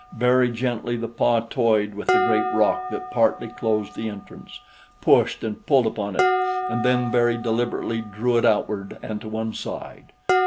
Very gently the paw toyed with the great rock that partly closed the entrance, pushed and pulled upon it and then very deliberately drew it outward and to one side.